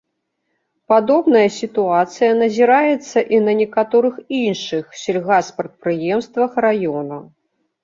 Падобная сітуацыя назіраецца і на некаторых іншых сельгаспрадпрыемствах раёна.